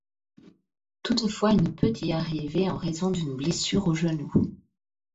Toutefois, elle ne peut y participer en raison d'une blessure au genou.